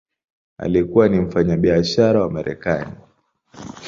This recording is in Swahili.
Alikuwa ni mfanyabiashara wa Marekani.